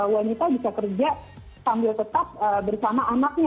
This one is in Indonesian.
wanita bisa kerja sambil tetap bersama anaknya